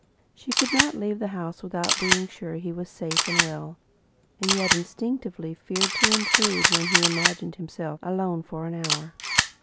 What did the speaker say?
She could not leave the house without being sure he was safe and well. And yet she instinctively feared to intrude when he imagined himself alone for an hour.